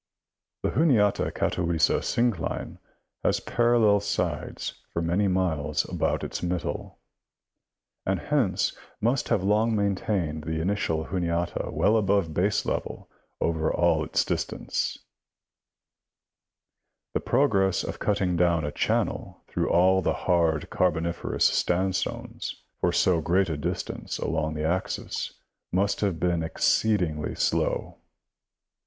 The Juniata Catawissa syn cline has parallel sides for many miles about its middle, and hence must have long maintained the initial Juniata well above baselevel over all this distance ; the progress of cutting down a channel through all the hard Carboniferous standstones for so great a distance along the axis must have been exceedingly slow.